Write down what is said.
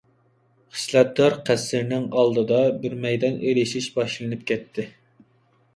خىسلەتدار قەسىرنىڭ ئالدىدا بىر مەيدان ئېلىشىش باشلىنىپ كەتتى.